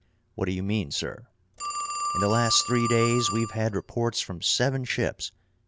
"What do you mean, sir?" "In the last three days we've had reports from seven ships.